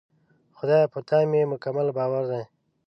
خدایه! په تا مې مکمل باور دی.